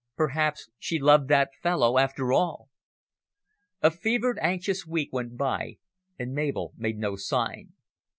Perhaps she loved that fellow after all! A fevered, anxious week went by and Mabel made no sign.